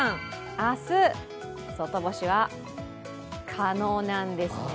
明日、外干しは可能なんですね。